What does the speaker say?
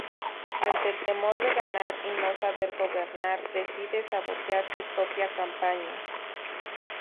Ante el temor de ganar y no saber gobernar decide sabotear su propia campaña.